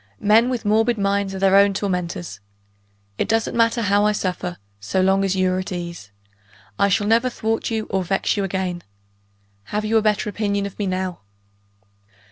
Men with morbid minds are their own tormentors. It doesn't matter how I suffer, so long as you are at ease. I shall never thwart you or vex you again. Have you a better opinion of me now?"